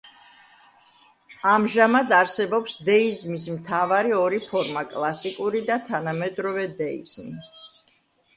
ამჟამად არსებობს დეიზმის მათავარი ორი ფორმა: კლასიკური და თანამედროვე დეიზმი.